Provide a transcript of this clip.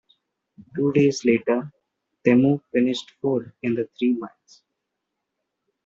Two days later, Temu finished fourth in the three miles.